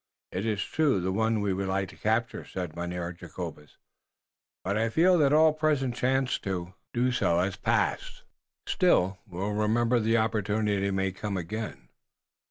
"It iss truly the one we would like to capture," said Mynheer Jacobus, "but I fear that all present chance to do so hass passed. Still, we will remember. The opportunity may come again.